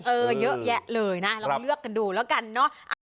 เยอะแยะเลยนะลองเลือกกันดูแล้วกันเนอะ